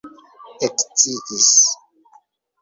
eksciis